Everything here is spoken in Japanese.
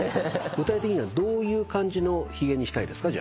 具体的にはどういう感じのひげにしたいですか？